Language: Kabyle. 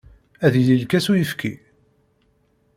Ad yili lkas uyefki?